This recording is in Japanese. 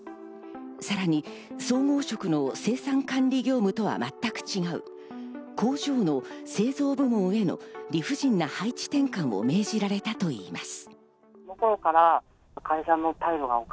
さらに総合職の生産管理業務とは全く違う工場の製造部門への理不尽な配置転換を命じられたといいます。